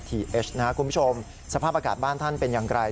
เอสนะครับคุณผู้ชมสภาพอากาศบ้านท่านเป็นอย่างไร